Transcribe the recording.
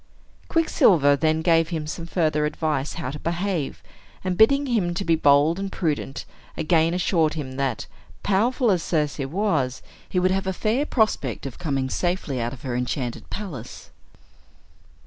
Quicksilver then gave him some further advice how to behave, and bidding him be bold and prudent, again assured him that, powerful as Circe was, he would have a fair prospect of coming safely out of her enchanted palace.